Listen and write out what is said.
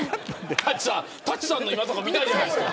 舘さんの今とか見たいじゃないですか。